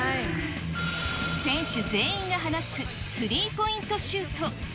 選手全員が放つスリーポイントシュート。